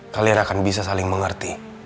kalian akan bisa saling mengerti